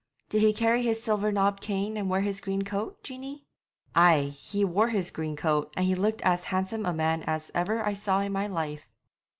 'Did he carry his silver knobbed cane and wear his green coat, Jeanie?' 'Ay, he wore his green coat, and he looked as handsome a man as ever I saw in my life.'